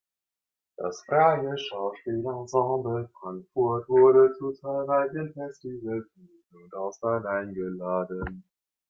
Das "Freie Schauspiel Ensemble Frankfurt" wurde zu zahlreichen Festivals im In- und Ausland eingeladen.